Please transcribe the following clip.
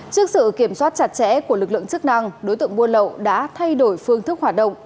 trước sự kiểm soát chặt chẽ của lực lượng chức năng đối tượng buôn lậu đã thay đổi phương thức hoạt động